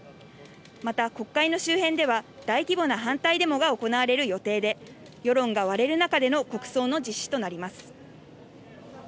また国会の周辺では大規模な反対デモが行われる予定で、世論が割れる中での国葬の実施となります。